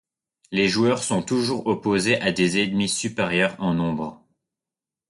Les joueurs sont toujours opposés à des ennemis supérieurs en nombre.